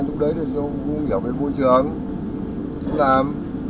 lúc đấy chú không hiểu về môi trường chú làm